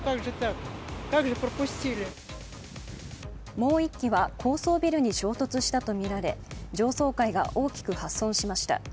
もう１機は高層ビルに衝突したとみられ、上層階が大きく破損しました。